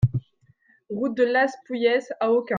Route de Las Poueyes à Aucun